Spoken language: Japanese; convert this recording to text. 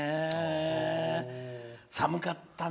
寒かったね。